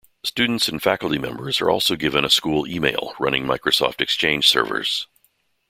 Students and faculty members are also given a school email, running Microsoft Exchange Servers.